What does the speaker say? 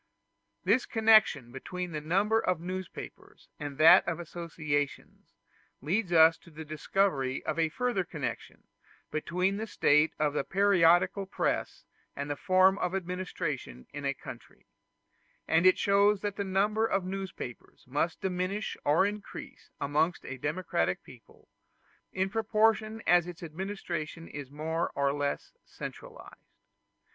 This connection between the number of newspapers and that of associations leads us to the discovery of a further connection between the state of the periodical press and the form of the administration in a country; and shows that the number of newspapers must diminish or increase amongst a democratic people, in proportion as its administration is more or less centralized.